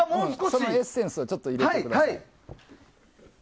そのエッセンスをもう少し入れてください。